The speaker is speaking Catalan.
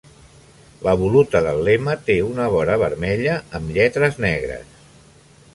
La voluta del lema té una vora vermella, amb lletres negres.